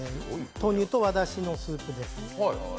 投入と和だしのスープです。